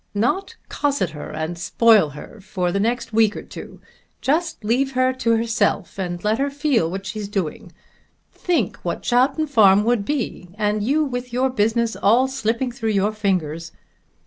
"Not cosset her and spoil her for the next week or two. Just leave her to herself and let her feel what she's doing. Think what Chowton Farm would be, and you with your business all slipping through your fingers."